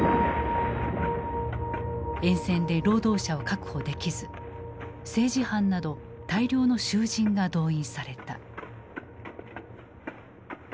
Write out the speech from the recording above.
沿線で労働者を確保できず政治犯など大量の囚人が動員された。